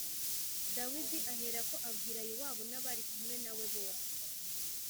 Dawidi aherako abwira Yowabu n’abari kumwe na we bose